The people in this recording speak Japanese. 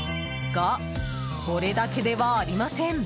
が、これだけではありません。